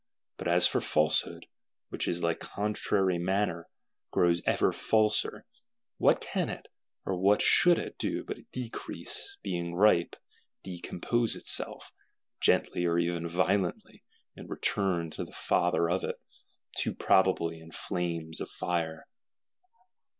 But as for Falsehood, which in like contrary manner, grows ever falser,—what can it, or what should it do but decease, being ripe; decompose itself, gently or even violently, and return to the Father of it,—too probably in flames of fire?